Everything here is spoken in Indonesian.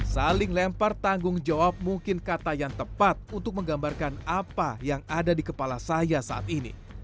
saling lempar tanggung jawab mungkin kata yang tepat untuk menggambarkan apa yang ada di kepala saya saat ini